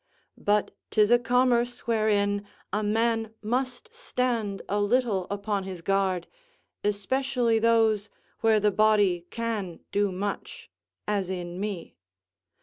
But 'tis a commerce wherein a man must stand a little upon his guard, especially those, where the body can do much, as in me.